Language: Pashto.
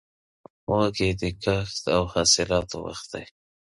وږی د کښت او حاصلاتو وخت دی.